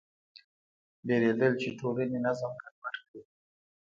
وېرېدل چې ټولنې نظم ګډوډ کړي.